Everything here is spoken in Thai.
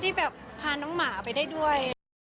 ที่แบบพาน้องหมาไปได้ด้วย